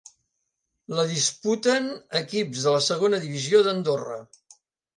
La disputen equips de la Segona divisió d'Andorra.